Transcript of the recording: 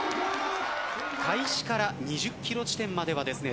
開始から２０キロ地点まではですね